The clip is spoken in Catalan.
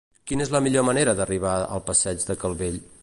Quina és la millor manera d'arribar al passeig de Calvell?